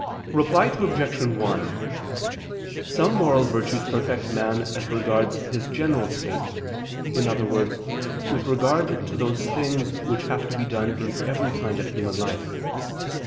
Reply Obj. 1: Some moral virtues perfect man as regards his general state, in other words, with regard to those things which have to be done in every kind of human life.